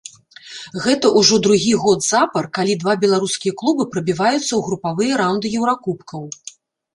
Гэта ўжо другі год запар, калі два беларускія клубы прабіваюцца ў групавыя раўнды еўракубкаў.